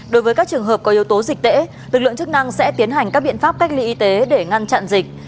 đối với các trường hợp có yếu tố dịch tễ lực lượng chức năng sẽ tiến hành các biện pháp cách ly y tế để ngăn chặn dịch